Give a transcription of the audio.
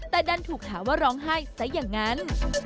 แต่ดันถูกถามว่าร้องไห้ซะอย่างนั้น